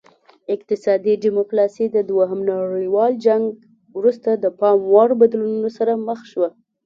اقتصادي ډیپلوماسي د دوهم نړیوال جنګ وروسته د پام وړ بدلونونو سره مخ شوه